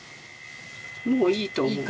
もういいと思う。